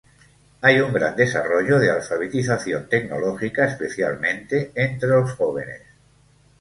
Hay un gran desarrollo de alfabetización tecnológica, especialmente entre los jóvenes.